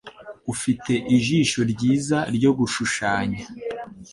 Afite ijisho ryiza ryo gushushanya.